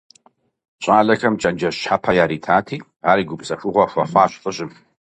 ЩӀалэхэм чэнджэщ щхьэпэ яритати, ари гупсэхугъуэ хуэхъуащ лӀыжьым.